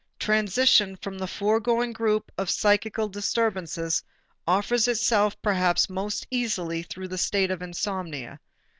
Transition from the foregoing group of psychical disturbances offers itself perhaps most easily through the state of insomnia.